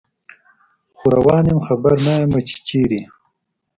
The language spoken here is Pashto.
خو روان یم خبر نه یمه چې چیرته